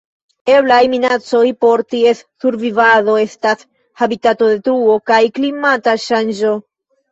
Eblaj minacoj por ties survivado estas habitatodetruo kaj klimata ŝanĝo.